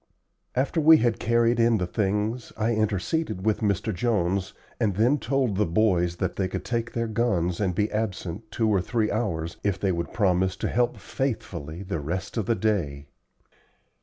After we had carried in the things I interceded with Mr. Jones and then told the boys that they could take their guns and be absent two or three hours if they would promise to help faithfully the rest of the day.